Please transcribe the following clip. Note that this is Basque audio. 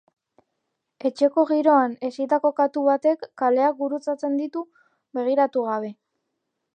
Etxeko giroan hezitako katu batek kaleak gurutzatzen ditu begiratu gabe.